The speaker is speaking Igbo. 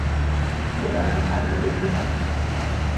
Bekee ana-asụ kịta bụ Bekee Ugbu Nka.